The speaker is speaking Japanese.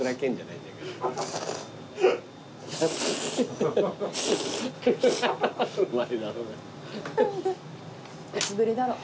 いつぶりだろう。